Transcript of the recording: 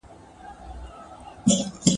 اوبه د سره خړي دي.